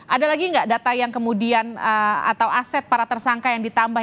ada lagi nggak data yang kemudian atau aset para tersangka yang ditambah